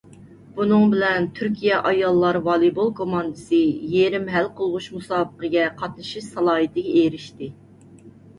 بۇنىڭ بىلەن، تۈركىيە ئاياللار ۋالىبول كوماندىسى يېرىم ھەل قىلغۇچ مۇسابىقىگە قاتنىشىش سالاھىيىتىگە ئېرىشتى.